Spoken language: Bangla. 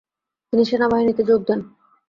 তিনি সেনাবাহিনীতে যোগ দেন।